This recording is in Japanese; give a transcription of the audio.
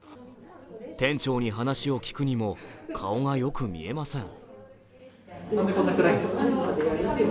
店長に話を聞くにも、顔がよく見えません。